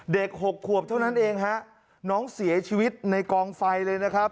หกขวบเท่านั้นเองฮะน้องเสียชีวิตในกองไฟเลยนะครับ